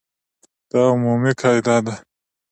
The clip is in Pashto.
دا عمومي قاعده ده.